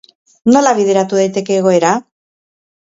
Nola bideratu daiteke egoera?